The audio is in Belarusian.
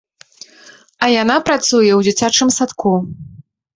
А яна працуе ў дзіцячым садку.